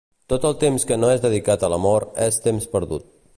Tot el temps que no és dedicat a l'amor, és temps perdut.